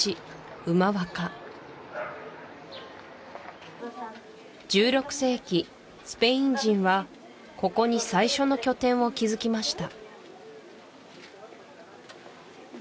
ウマワカ１６世紀スペイン人はここに最初の拠点を築きました